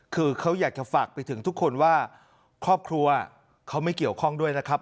คือเขาอยากจะฝากไปถึงทุกคนว่าครอบครัวเขาไม่เกี่ยวข้องด้วยนะครับ